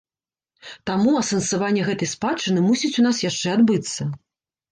Таму асэнсаванне гэтай спадчыны мусіць у нас яшчэ адбыцца.